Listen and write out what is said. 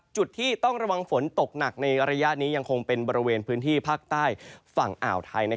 จุดที่ต้องระวังฝนตกหนักในระยะนี้ยังคงเป็นบริเวณพื้นที่ภาคใต้ฝั่งอ่าวไทย